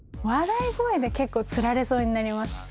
笑い声で結構、つられそうになります。